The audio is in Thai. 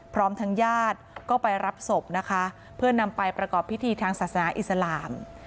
พร้อมทางญาติก็ไปรับศพนะคะเพื่อนำไปประกอบพิธีทางศาสนาอิสลาม